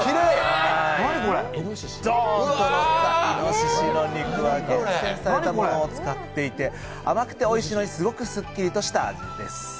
どんと乗ったいのししの肉は厳選されたものを使っていて甘くておいしいのに、すごくすっきりとした味です。